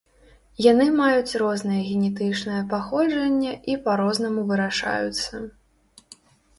Яны маюць рознае генетычнае паходжанне і па-рознаму вырашаюцца.